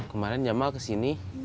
kemarin jamal kesini